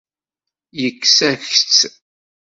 Yekkes-ak-tt.